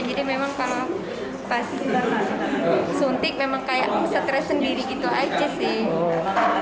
jadi memang kalau pas suntik memang kayak stress sendiri gitu aja sih